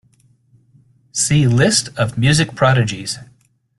See List of music prodigies.